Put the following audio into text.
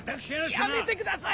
やめてください！